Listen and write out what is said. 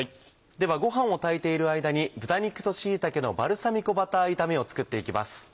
ではごはんを炊いている間に「豚肉と椎茸のバルサミコバター炒め」を作っていきます。